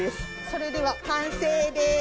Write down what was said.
それでは完成です！